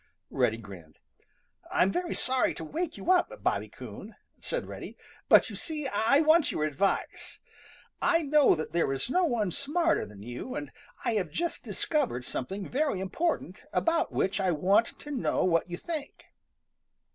Reddy grinned. "I'm very sorry to wake you up, Bobby Coon," said Reddy, "but you see I want your advice. I know that there is no one smarter than you, and I have just discovered something very important about which I want to know what you think."